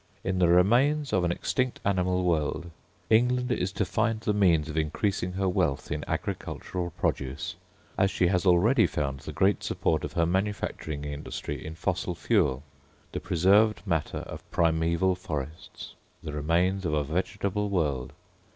In the remains of an extinct animal world, England is to find the means of increasing her wealth in agricultural produce, as she has already found the great support of her manufacturing industry in fossil fuel, the preserved matter of primeval forests, the remains of a vegetable world.